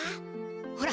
ほら！